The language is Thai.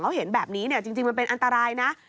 เขาเห็นแบบนี้จริงมันเป็นอันตรายนะ